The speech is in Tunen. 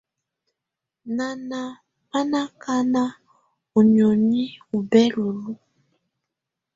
Nana bà na akaka ù niɔ̀ni ù bɛla luǝ̀.